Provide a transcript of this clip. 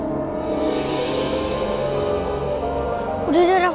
udah udah rafa gak usah lagi